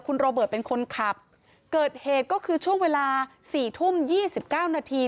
คุณโรเบิร์ตเป็นคนขับเกิดเหตุก็คือช่วงเวลา๔ทุ่ม๒๙นาที